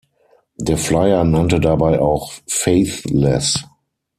Der Flyer nannte dabei auch "Faithless".